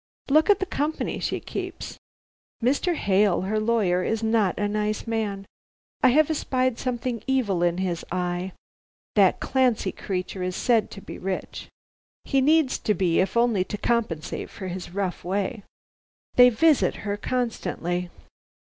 Look at the company she keeps. Mr. Hale, her lawyer, is not a nice man. I have espied something evil in his eye. That Clancy creature is said to be rich. He needs to be, if only to compensate for his rough way. They visit her constantly."